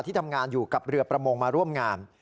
ทำงานอยู่กับเรือประมงมาร่วมงาน